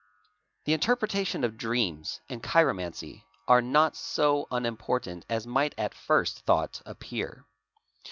4 The interpretation of dreams" 8 and chiromancy are not so uni portant as might at first thought appear.